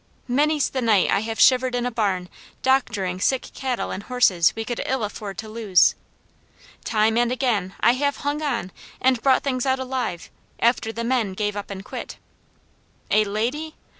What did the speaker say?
Many's the night I have shivered in a barn doctoring sick cattle and horses we could ill afford to lose. Time and again I have hung on and brought things out alive, after the men gave up and quit. A lady?